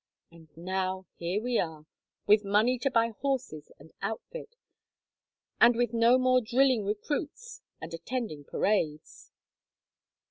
And now here we are, with money to buy horses and outfit, and with no more drilling recruits and attending parades."